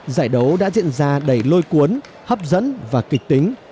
giải đấu đã diễn ra đầy lôi cuốn hấp dẫn và kịch tính